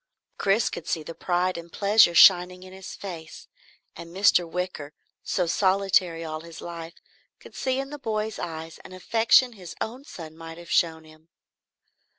Chris could see the pride and pleasure shining in his face, and Mr. Wicker, so solitary all his life, could see in the boy's eyes an affection his own son might have shown him.